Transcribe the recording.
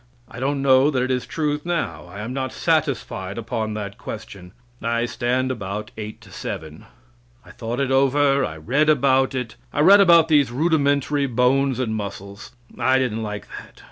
I don't know that it is the truth now. I am not satisfied upon that question; I stand about eight to seven. I thought it over. I read about it. I read about these rudimentary bones and muscles. I didn't like that.